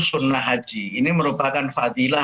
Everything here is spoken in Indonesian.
sunnah haji ini merupakan fadilah